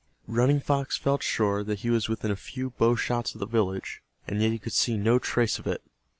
Running Fox felt sure that he was within a few bow shots of the village, and yet he could see no trace of it.